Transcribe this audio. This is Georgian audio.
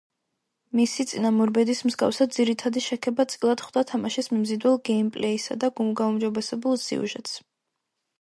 მისი წინამორბედის მსგავსად ძირითადი შექება წილად ჰხვდა თამაშის მიმზიდველ გეიმპლეისა და გაუმჯობესებულ სიუჟეტს.